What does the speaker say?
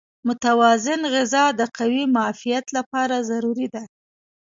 متوازن غذا د قوي معافیت لپاره ضروري ده.